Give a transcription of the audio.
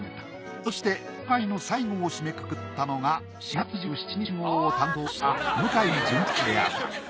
そしてこの回の最後を締めくくったのが４月２７日号を担当した向井潤吉であった。